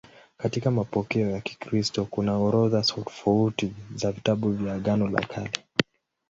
Katika mapokeo ya Kikristo kuna orodha tofauti za vitabu vya Agano la Kale.